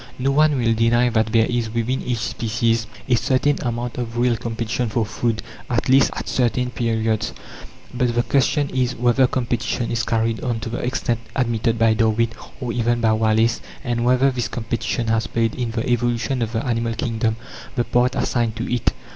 No one will deny that there is, within each species, a certain amount of real competition for food at least, at certain periods. But the question is, whether competition is carried on to the extent admitted by Darwin, or even by Wallace; and whether this competition has played, in the evolution of the animal kingdom, the part assigned to it.